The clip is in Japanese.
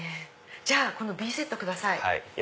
じゃあこのＢセット下さい。